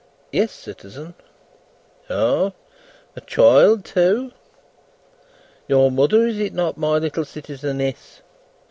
"Yes, citizen." "Ah! A child too! Your mother, is it not, my little citizeness?"